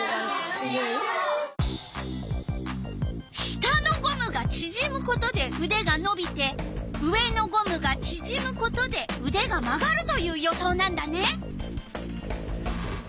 下のゴムがちぢむことでうでがのびて上のゴムがちぢむことでうでが曲がるという予想なんだね。